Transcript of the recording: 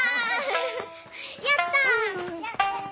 やった！